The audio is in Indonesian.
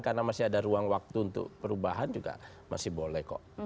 karena masih ada ruang waktu untuk perubahan juga masih boleh kok